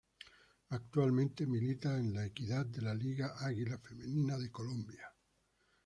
Actualmente milita en La Equidad de la Liga Águila Femenina de Colombia.